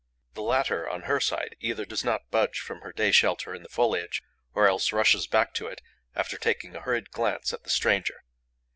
The latter, on her side, either does not budge from her day shelter in the foliage, or else rushes back to it, after taking a hurried glance at the stranger.